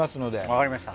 わかりました。